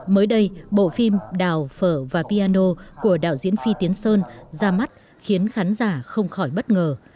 mới đây bộ phim đào phở và piano của đạo diễn phi tiến sơn ra mắt khiến khán giả không khỏi bất ngờ